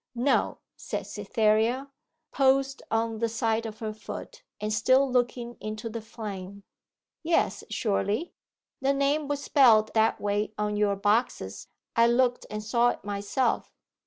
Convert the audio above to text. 'No,' said Cytherea, poised on the side of her foot, and still looking into the flame. 'Yes, surely? The name was spelt that way on your boxes: I looked and saw it myself.